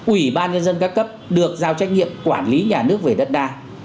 ủy ban dân dân cấp cấp được giao trách nhiệm quản lý nhà nước về đất đai